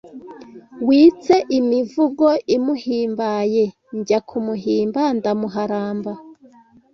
Witse imivugo imuhimbaye Njya kumuhimba ndamuharamba